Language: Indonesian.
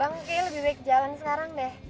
bang kayaknya lebih baik jalan sekarang deh